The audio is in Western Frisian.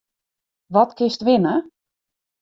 Wat kinst winne?